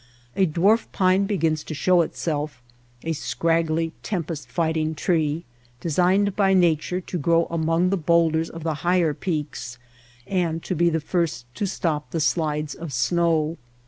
A dwarf pine begins to show itself — a scraggly tempest fight ing tree, designed by Nature to grow among the bowlders of the higher peaks and to be the first to stop the slides of snow.